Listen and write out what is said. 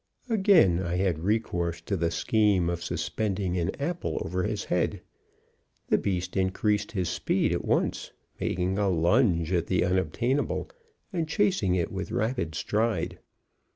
Again I had recourse to the scheme of suspending an apple over his head. The beast increased his speed at once, making a lunge at the unobtainable, and chasing it with rapid stride.